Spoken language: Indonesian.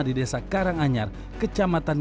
di desa karanganyar kecamatan